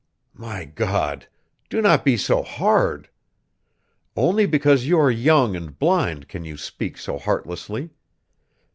"My God! do not be so hard. Only because you are young and blind can you speak so heartlessly.